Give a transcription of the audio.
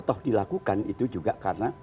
toh dilakukan itu juga karena